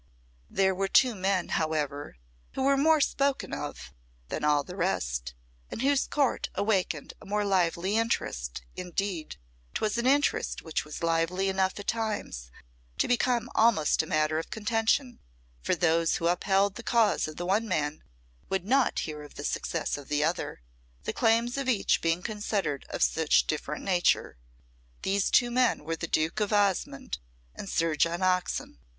There were two men, however, who were more spoken of than all the rest, and whose court awakened a more lively interest; indeed, 'twas an interest which was lively enough at times to become almost a matter of contention, for those who upheld the cause of the one man would not hear of the success of the other, the claims of each being considered of such different nature. These two men were the Duke of Osmonde and Sir John Oxon.